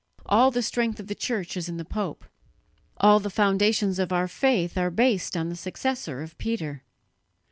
All the strength of the Church is in the pope; all the foundations of our faith are based on the successor of Peter.